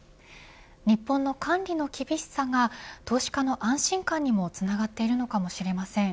日本の管理の厳しさが投資家の安心感にもつながっているのかもしれません。